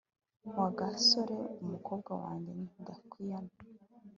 wagasore umukobwa wajye ndakwiyamye